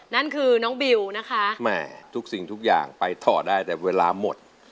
นั่นคือน้องบิวนะคะทุกสิ่งทุกอย่างไปต่อได้แต่เวลาหมด